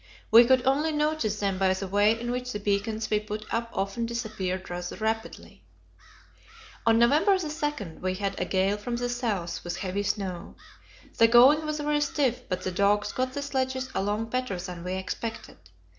We could only notice them by the way in which the beacons we put up often disappeared rather rapidly. On November 2 we had a gale from the south, with heavy snow. The going was very stiff, but the dogs got the sledges along better than we expected.